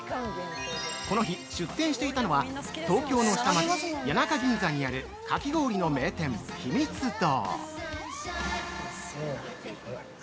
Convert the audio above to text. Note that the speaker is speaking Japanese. この日、出店していたのは東京の下町、谷中銀座にあるかき氷の名店ひみつ堂。